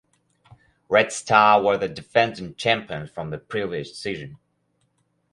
Red Star were the defending champions from the previous season.